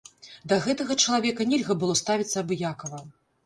Да гэтага чалавека нельга было ставіцца абыякава.